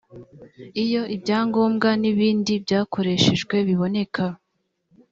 iyo ibya ngombwa n’ibindi byakoreshejwe biboneka